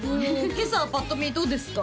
今朝はぱっと見どうですか？